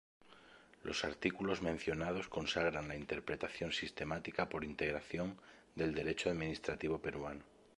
Los artículos mencionados consagran la interpretación sistemática por integración del derecho administrativo peruano.